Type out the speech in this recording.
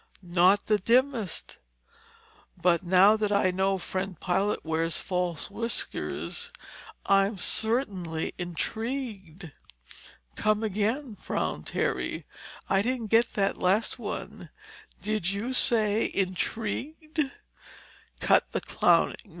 "Not the dimmest. But now that I know friend pilot wears false whiskers, I'm certainly intrigued." "Come again," frowned Terry. "I didn't get that last one. Did you say intrigued?" "Cut the clowning.